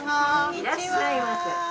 いらっしゃいませ。